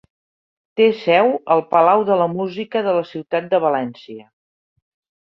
Té seu al Palau de la Música de la ciutat de València.